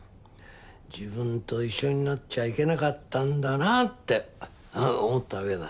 自分と一緒になっちゃいけなかったんだなって思ったわけだ。